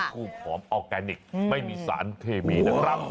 คู่ผอมออร์แกนิคไม่มีสารเคมีนะครับ